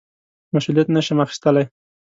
مسوولیت نه شم اخیستلای.